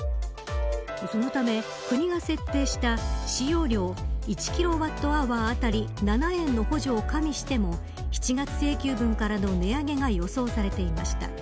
そのため、国が設定した使用量１キロワットアワー当たり７円の補助を加味しても７月請求分からの値上げが予想されていました。